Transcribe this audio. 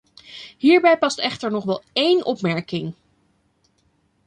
Hierbij past echter nog wel één opmerking.